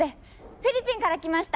フィリピンから来ました。